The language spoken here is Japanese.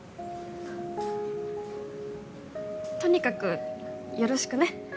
とにかくよろしくね。